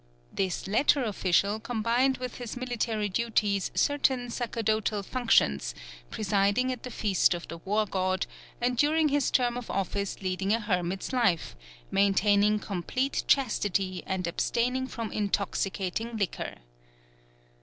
This latter official combined with his military duties certain sacerdotal functions, presiding at the feast of the War God, and during his term of office leading a hermit's life, maintaining complete chastity and abstaining from intoxicating liquor.